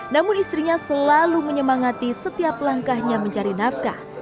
namun istrinya selalu menyemangati setiap langkahnya mencari nafkah